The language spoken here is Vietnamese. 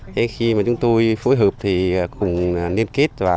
thế khi mà chúng tôi phối hợp thì cùng liên kết và